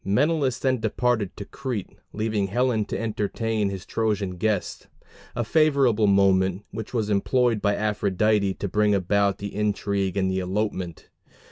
Menelaus then departed to Crete, leaving Helen to entertain his Trojan guest a favorable moment, which was employed by Aphrodite to bring about the intrigue and the elopement.